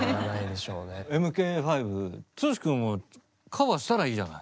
「ＭＫ５」剛くんもカバーしたらいいじゃない。